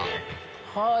はい。